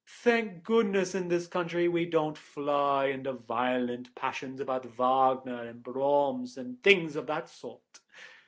Thank goodness in this country we don't fly into violent passions about Wagner and Brahms and things of that sort.